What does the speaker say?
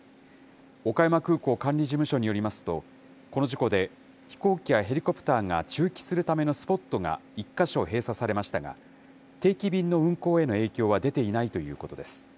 岡山空港管理事務所によりますと、この事故で、飛行機やヘリコプターが駐機するためのスポットが１か所閉鎖されましたが、定期便の運航への影響は出ていないということです。